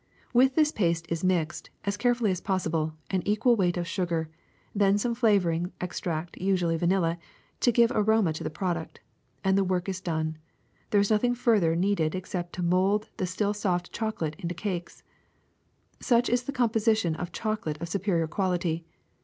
With this, paste is mixed, as carefully as possible, an equal weight of sugar, then some flavoring extract, usually vanilla, to give aroma to the product ; and the work is done. There is nothing further needed except to mold the still soft chocolate into cakes. ^^Such is the composition of chocolate of superior quality.